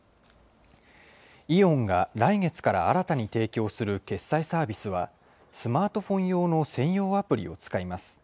イオンが来月から新たに提供する決済サービスは、スマートフォン用の専用アプリを使います。